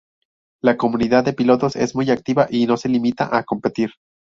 La comunidad de pilotos es muy activa y no se limita a competir.